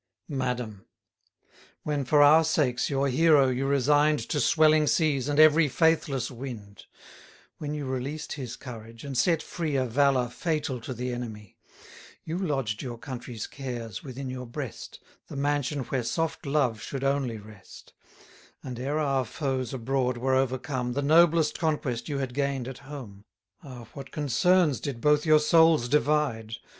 Madam, When, for our sakes, your hero you resign'd To swelling seas, and every faithless wind; When you released his courage, and set free A valour fatal to the enemy; You lodged your country's cares within your breast (The mansion where soft love should only rest): And, ere our foes abroad were overcome, The noblest conquest you had gain'd at home. Ah, what concerns did both your souls divide!